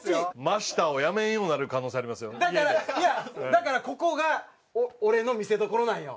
だからここが俺の見せどころなんよ